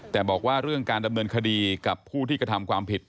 แต่บอกว่าเรื่องการดำเนินคดีกับผู้ที่กระทำความผิด